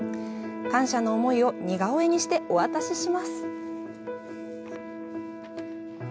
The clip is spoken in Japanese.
感謝の思いを似顔絵にしてお渡しします！